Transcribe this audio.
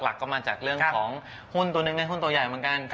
รักก็มาจากเรื่องของหุ้นตัวนึงนี่หุ้นตัวใหญ่มันก็